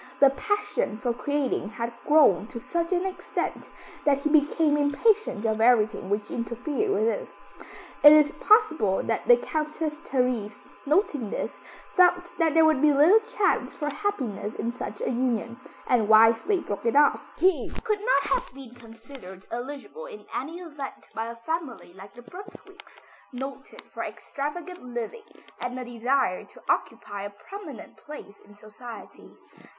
The passion for creating had grown to such an extent, that he became impatient of everything which interfered with it. It is possible that the Countess Therese, noting this, felt that there would be little chance for happiness in such a union, and wisely broke it off. He could not have been considered eligible in any event by a family like the Brunswicks, noted for extravagant living and a desire to occupy a prominent place in society.